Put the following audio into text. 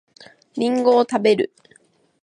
りんごを食べる